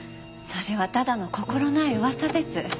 それはただの心ない噂です。